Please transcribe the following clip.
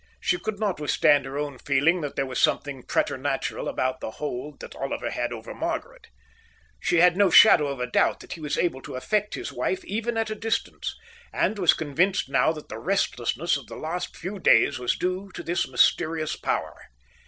She could not withstand her own feeling that there was something preternatural about the hold that Oliver had over Margaret. She had no shadow of a doubt that he was able to affect his wife even at a distance, and was convinced now that the restlessness of the last few days was due to this mysterious power.